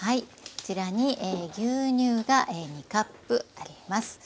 こちらに牛乳が２カップあります。